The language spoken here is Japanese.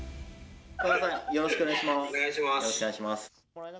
よろしくお願いします。